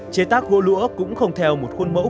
chế tác gỗ lũa cũng không theo một khuôn mẫu